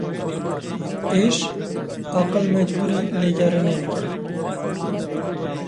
Êş, aqil mecbûrî lêgerînê dike.